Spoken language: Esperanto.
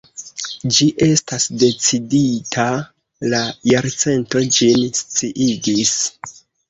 Ĝi estas decidita: _La Jarcento_ ĝin sciigis.